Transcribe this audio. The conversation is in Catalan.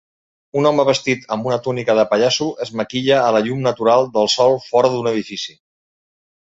Un home vestit amb una túnica de pallasso es maquilla a la llum natural del sol fora d'un edifici.